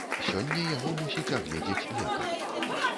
Сёння яго мусіць агледзець лекар.